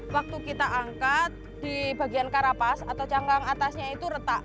waktu kita angkat di bagian karapas atau cangkang atasnya itu retak